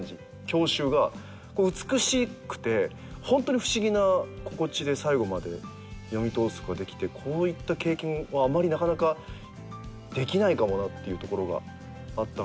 郷愁が美しくてホントに不思議な心地で最後まで読み通すことができてこういった経験はあまりなかなかできないかもなっていうところがあったのと。